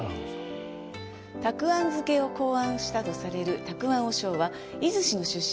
たくあん漬けを考案したとされる沢庵和尚は出石の出身。